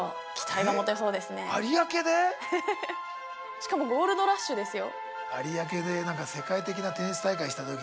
しかも「ゴールドラッシュ」ですよ。